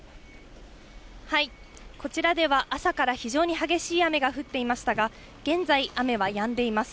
こちらでは朝から非常に激しい雨が降っていましたが、現在、雨はやんでいます。